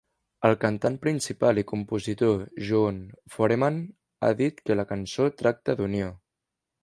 El cantant principal i compositor Jon Foreman ha dit que la cançó tracta d'unió.